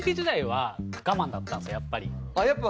やっぱり。